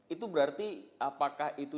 itu berarti apakah itu